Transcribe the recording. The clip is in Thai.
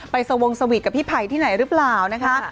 ไปสวงสวิตก์กับพี่ไผ่ที่ไหนรึเปล่านะคะ